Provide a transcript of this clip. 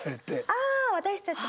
ああ私たち